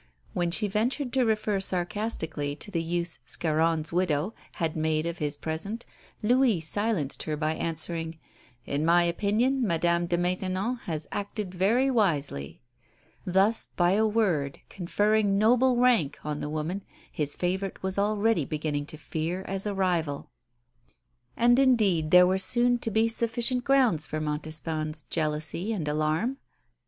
When she ventured to refer sarcastically to the use "Scarron's widow" had made of his present, Louis silenced her by answering, "In my opinion, Madame de Maintenon has acted very wisely"; thus by a word conferring noble rank on the woman his favourite was already beginning to fear as a rival. And indeed there were soon to be sufficient grounds for Montespan's jealously and alarm.